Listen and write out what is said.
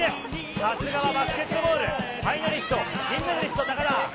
さすがはバスケットボールファイナリスト、銀メダリスト、高田。